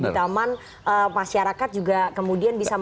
kita ada di taman masyarakat juga kemudian bisa menikmati